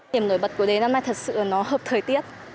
điểm nổi bật của đề năm nay thật sự là nó hợp thời tiết